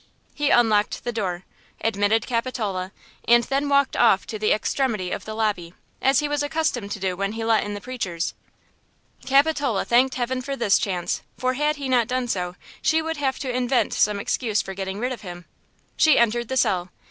He unlocked the door, admitted Capitola, and then walked off to the extremity of the lobby, as he was accustomed to do when he let in the preachers. Capitola thanked heaven for this chance, for had he not done so she would have to invent some excuse for getting rid of him. She entered the cell.